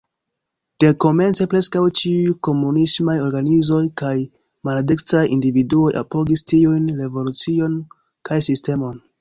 Dekomence preskaŭ ĉiuj komunismaj organizoj kaj maldekstraj individuoj apogis tiujn revolucion kaj sistemon.